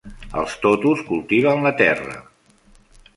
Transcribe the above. Els Totos cultiven la terra.